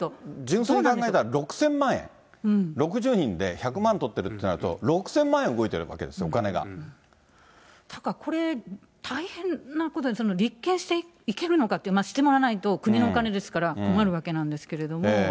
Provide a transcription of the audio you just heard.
純粋に考えたら６０００万円、６０人で１００万取ってるとなると、６０００万円動いてるわけでだからこれ、大変なことで、立件していけるのかって、してもらわないと国のお金ですから、困るわけなんですけれども。